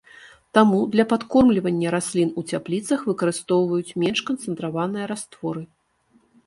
Таму для падкормлівання раслін у цяпліцах выкарыстоўваюць менш канцэнтраваныя растворы.